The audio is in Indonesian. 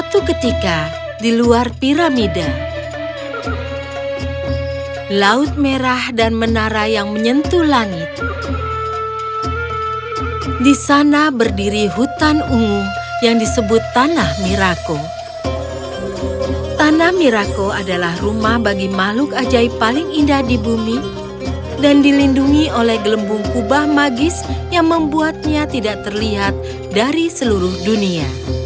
pertama di mana ada kubah magis yang membuatnya terlihat terlalu indah di bumi dan dilindungi oleh gelembung kubah magis yang membuatnya tidak terlihat dari seluruh dunia